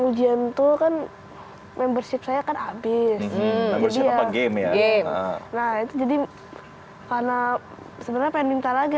ujian tuh kan membership saya akan habis game game nah itu jadi karena sebenarnya pengen minta lagi